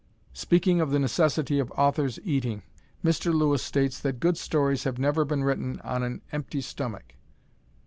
Speaking of the necessity of authors eating, Mr. Lewis states that good stories have never been written on an empty stomach.